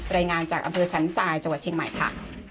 รายงานจากอำเภอสันทรายจังหวัดเชียงใหม่ค่ะ